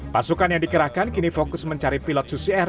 pasukan yang dikerahkan kini fokus mencari pilot susier